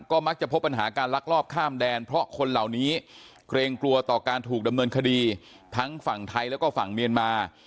ก็มักจะพบปัญหาการลักลอบข้ามแดนเพราะคนเหล่านี้เกรงกลัวต่อการถูกดำเนินคดีทั้งฝั่งไทยแล้วก็ฝั่งเมียนมา